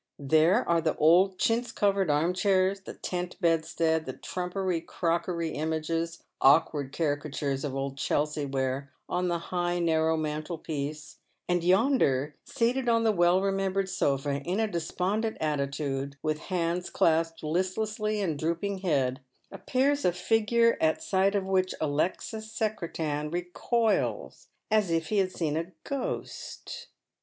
There are the old chintz covered arm chairs, the tent bedstead, the trumpery crockery images — awkward caricatures of old Chelsea ware — on the high narrow mantelpiece ; and yonder, seated on the well remembered sofa, in a despondent attitude, with hands clasped listlessly and drooping head, appears a figure at sight of which Alexis Secretan recoils as if he had seen a ghost.